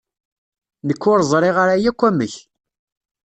Nekk ur ẓriɣ ara akk amek.